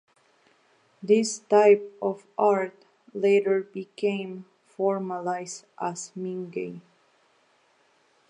This type of art later became formalised as "Mingei".